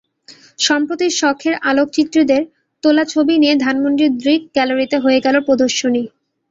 সম্প্রতি শখের আলোকচিত্রীদের তোলা ছবি নিয়ে ধানমন্ডির দৃক গ্যালারিতে হয়ে গেল প্রদর্শনী।